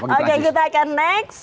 oke kita akan next